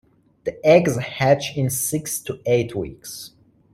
The eggs hatch in six to eight weeks.